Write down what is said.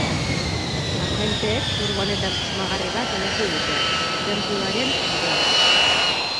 Agenteek furgoneta susmagarri bat miatu dute, tenpluaren ondoan.